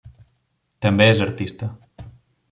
També és artista.